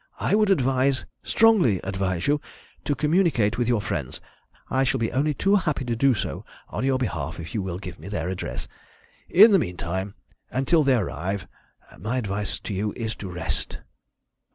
I would advise, strongly advise you, to communicate with your friends. I shall be only too happy to do so on your behalf if you will give me their address. In the meantime until they arrive my advice to you is to rest."